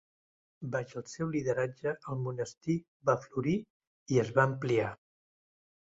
Baix el seu lideratge, el monestir va florir i es va ampliar.